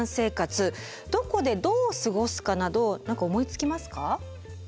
どこでどう過ごすかなど何か思いつきますか？